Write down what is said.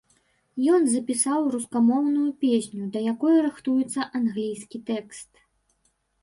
Ён запісаў рускамоўную песню, да якой рыхтуецца англійскі тэкст.